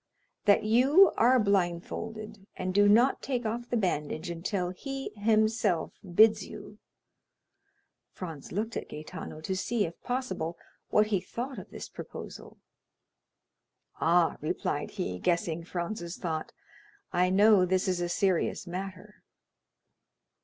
"That you are blindfolded, and do not take off the bandage until he himself bids you." Franz looked at Gaetano, to see, if possible, what he thought of this proposal. "Ah," replied he, guessing Franz's thought, "I know this is a serious matter."